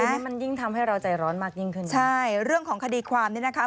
ทีนี้มันยิ่งทำให้เราใจร้อนมากยิ่งขึ้นใช่เรื่องของคดีความนี่นะคะ